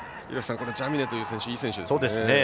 ジャミネという選手いい選手ですね。